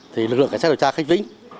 thì lực lượng cảnh sát điều tra khánh vĩnh